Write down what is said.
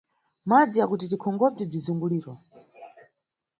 Madzi ya kuti tikonkhobze bzizunguliro.